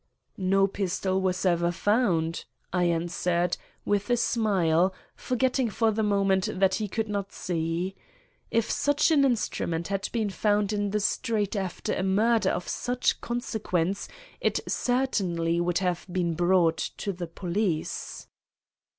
"No pistol was ever found," I answered, with a smile, forgetting for the moment that he could not see. "If such an instrument had been found in the street after a murder of such consequence it certainly would have been brought to the police."